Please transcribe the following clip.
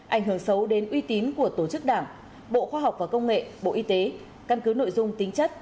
ảnh hưởng xấu đến uy tín của tổ chức đảng bộ khoa học và công nghệ bộ y tế căn cứ nội dung tính chất